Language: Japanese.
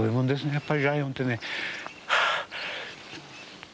やっぱりライオンってね。